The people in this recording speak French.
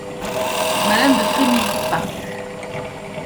Madame de Frémilly parut.